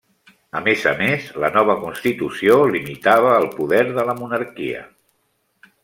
A més a més, la nova constitució limitava el poder de la monarquia.